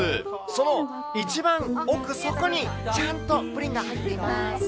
その一番奥そこにちゃんとプリンが入っています。